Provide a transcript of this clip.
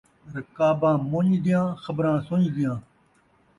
رکاباں مُن٘ڄ دیاں ، خبراں سُن٘ڄ دیاں